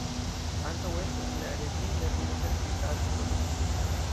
Ankaŭ estas la Redeemer-Universitato-kolegio.